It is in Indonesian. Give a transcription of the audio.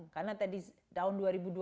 karena tahun dua ribu dua puluh